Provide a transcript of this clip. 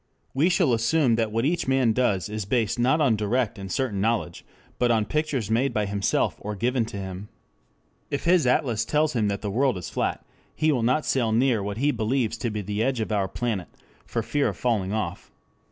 We shall assume that what each man does is based not on direct and certain knowledge, but on pictures made by himself or given to him. If his atlas tells him that the world is flat he will not sail near what he believes to be the edge of our planet for fear of falling off.